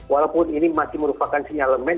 walaupun ini masih merupakan sinyalemen